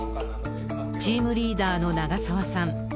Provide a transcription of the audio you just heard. チームリーダーの長澤さん。